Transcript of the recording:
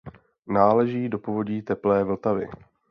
Náleží do povodí Teplé Vltavy.